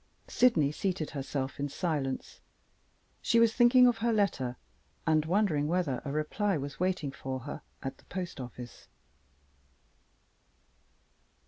Sydney seated herself in silence. She was thinking of her letter, and wondering whether a reply was waiting for her at the post office.